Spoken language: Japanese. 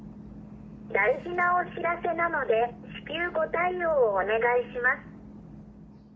大事なお知らせなので、至急ご対応お願いします。